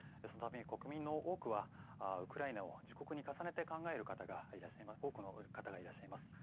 国民の多くはウクライナを自国に重ねて考える多くの方がいらっしゃいます。